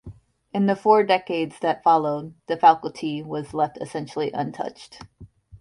In the four decades that followed, the facility was left essentially untouched.